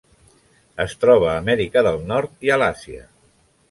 Es troba a Amèrica del Nord i a l'Àsia.